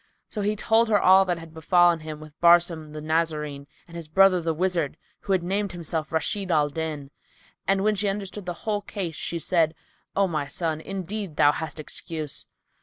So he told her all that had befallen him with Barsum the Nazarene and his brother the wizard who had named himself Rashid al Din and, when she understood the whole case, she said, "O my son, indeed thou hast excuse."